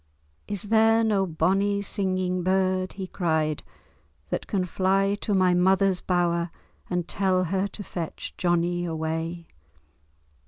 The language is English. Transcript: "Is there no bonnie singing bird," he cried, "that can fly to my mother's bower and tell her to fetch Johnie away?"